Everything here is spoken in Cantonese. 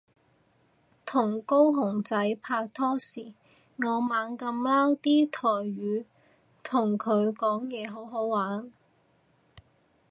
同高雄仔拍拖時我猛噉撈啲台語同佢講嘢好好玩